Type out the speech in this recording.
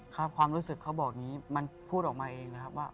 ความรู้สึกเขาบอกอย่างนี้มันพูดออกมาเองนะครับว่า